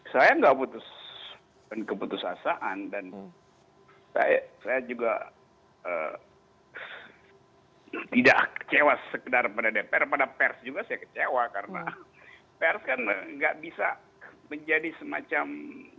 saya nggak putus asasaan dan saya juga tidak kecewa sekedar pada dpr pada pers juga saya kecewa karena pers kan nggak bisa menjadi semacam